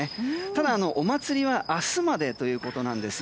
ただ、お祭りは明日までということなんです。